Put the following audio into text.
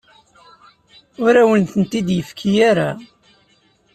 Ur awen-tent-id-yefki ara.